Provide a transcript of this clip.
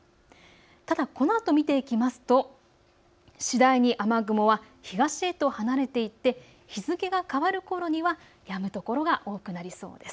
ただ、このあと見ていきますと次第に雨雲は東へと離れていって日付が変わるころにはやむ所が多くなりそうです。